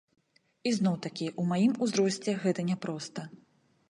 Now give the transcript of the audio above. І зноў-такі ў маім узросце гэта няпроста.